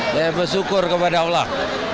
ya bersyukur kepada allah